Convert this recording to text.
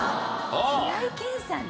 平井堅さんね。